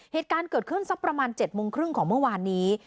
เหตุการณ์เกิดขึ้นสักประมาณ๗โมงครึ่งของเมื่อวานนี้